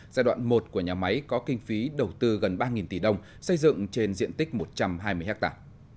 giai đoạn một của nhà máy có kinh phí đầu tư gần ba tỷ đồng xây dựng trên diện tích một trăm hai mươi ha